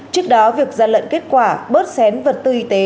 trước đó việc gian lận kết quả bớt xén vật tư y tế